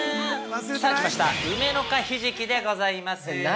さあ来ました「梅の香ひじき」でございます！